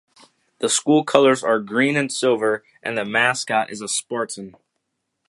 The school colors are green and silver and the mascot is a Spartan.